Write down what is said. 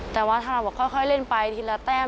แต่ว่าถ้าเราบอกค่อยเล่นไปทีละแต้ม